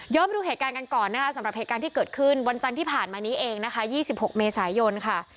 ไปดูเหตุการณ์กันก่อนนะคะสำหรับเหตุการณ์ที่เกิดขึ้นวันจันทร์ที่ผ่านมานี้เองนะคะ๒๖เมษายนค่ะ